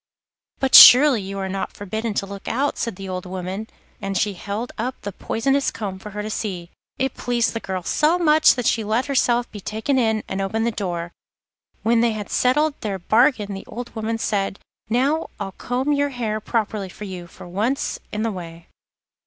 'But surely you are not forbidden to look out?' said the old woman, and she held up the poisonous comb for her to see. It pleased the girl so much that she let herself be taken in, and opened the door. When they had settled their bargain the old woman said: 'Now I'll comb your hair properly for you, for once in the way.